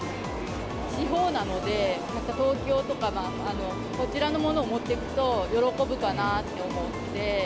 地方なので、東京とかこちらのものを持っていくと、喜ぶかなと思って。